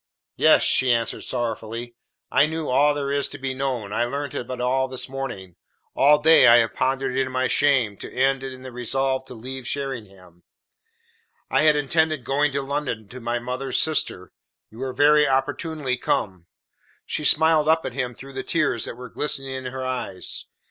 "Yes," she answered sorrowfully, "I know all there is to be known. I learnt it all this morning. All day have I pondered it in my shame to end in the resolve to leave Sheringham. I had intended going to London to my mother's sister. You are very opportunely come." She smiled up at him through the tears that were glistening in her eyes.